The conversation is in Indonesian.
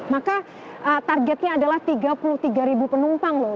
maka targetnya adalah tiga puluh tiga penumpang loh